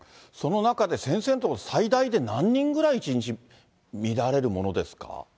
その中で、先生のところ、最大で何人ぐらい１日診られるものですか？